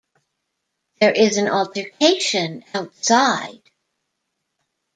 There is an altercation outside.